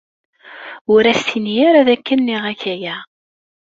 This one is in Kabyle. Ur as-ttini ara dakken nniɣ-ak aya!